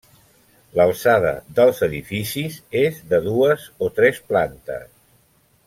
L'alçada dels edificis és de dues o tres plantes.